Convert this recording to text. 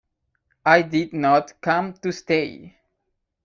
I didn't come to stay".